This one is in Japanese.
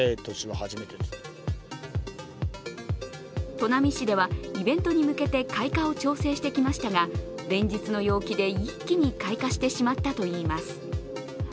砺波市ではイベントに向けて開花を調整してきましたが連日の陽気で、一気に開花してしまったといいます。